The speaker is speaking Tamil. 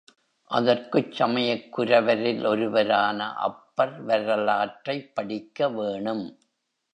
அதற்குச் சமயக் குரவரில் ஒருவரான அப்பர் வரலாற்றைப் படிக்க வேணும்.